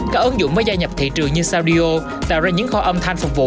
các ứng dụng mới gia nhập thị trường như sandio tạo ra những kho âm thanh phục vụ